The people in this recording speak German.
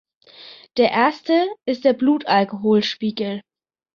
Der erste ist der Blutalkoholspiegel.